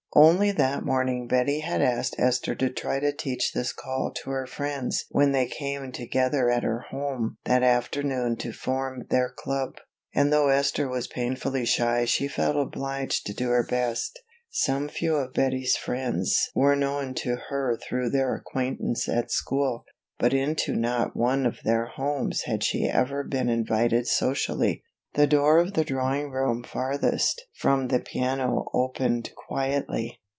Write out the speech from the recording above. Only that morning Betty had asked Esther to try to teach this call to her friends when they came together at her home that afternoon to form their club, and though Esther was painfully shy she felt obliged to do her best. Some few of Betty's friends were known to her through their acquaintance at school, but into not one of their homes had she ever been invited socially. The door of the drawing room farthest from the piano opened quietly.